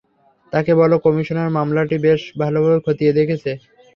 তাকে বলো, কমিশনার মামলাটি বেশ ভালোকরে খতিয়ে দেখছে।